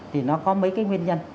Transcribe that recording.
thì nó có mấy cái nguyên nhân